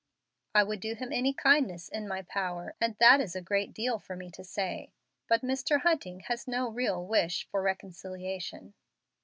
I would do him any kindness in my power, and that is a great deal for me to say. But Mr. Hunting has no real wish for reconciliation."